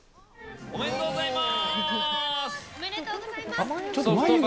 おめでとうございます。